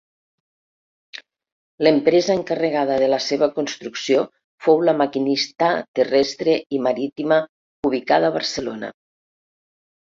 L'empresa encarregada de la seva construcció fou la Maquinista Terrestre i Marítima, ubicada a Barcelona.